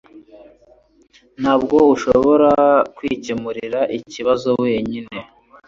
Ntabwo ushobora kwikemurira ikibazo wenyine.